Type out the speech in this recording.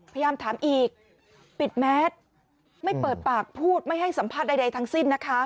พยายามถามอีกปิดแมสไม่เปิดปากพูดไม่ให้สัมภาษณ์ใดทั้งสิ้นนะคะ